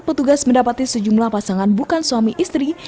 petugas mendapati sejumlah pasangan bukan suami istri